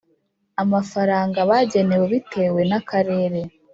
amafaranga bagenewe bitewe na karere